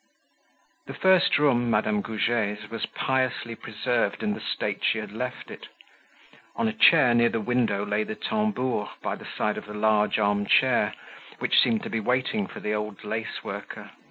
The first room, Madame Goujet's, was piously preserved in the state she had left it. On a chair near the window lay the tambour by the side of the large arm chair, which seemed to be waiting for the old lace worker.